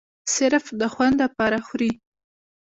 صرف د خوند د پاره خوري